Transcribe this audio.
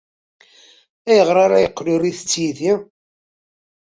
Ayɣer ay yeqqel ur ittett yid-i?